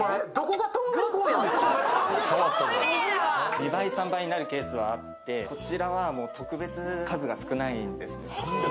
２倍、３倍になるケースがあってこちらは特別数が少ないんですね。